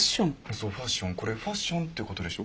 そうファッションこれファッションってことでしょ？